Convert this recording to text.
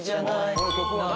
この曲は何？